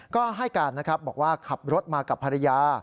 ก็ให้การนะครับบอกว่าขับรถมากับภรรยา